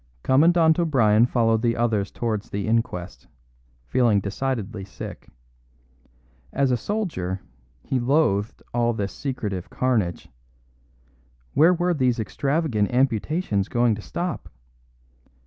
Commandant O'Brien followed the others towards the inquest, feeling decidedly sick. As a soldier, he loathed all this secretive carnage; where were these extravagant amputations going to stop?